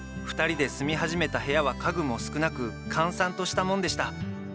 ２人で住み始めた部屋は家具も少なく閑散としたもんでした。